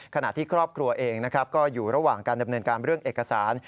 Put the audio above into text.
ขณะที่ครอบครัวเองนะครับก็อยู่ระหว่างการดำเนินการเรื่องเอกสาร